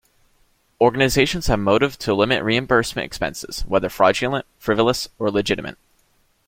Organizations have motive to limit reimbursement expenses, whether fraudulent, frivolous, or legitimate.